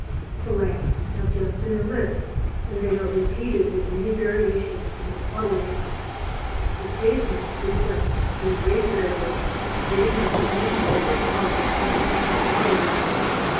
The lamps have just been lit, and they are repeated with many variations in the puddles. The pavement reflects the wayfarer, giving its own local colour and accepting others. REFLECTIONS.